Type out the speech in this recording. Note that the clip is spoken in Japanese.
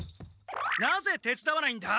なぜてつだわないんだ？